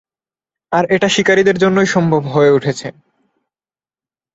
আর এটা শিকারীদের জন্যই সম্ভব হয়ে উঠেছে।